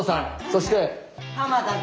そして？